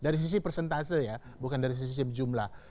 dari sisi persentase ya bukan dari sisi jumlah